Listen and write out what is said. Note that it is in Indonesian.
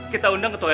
kita undang ketua rt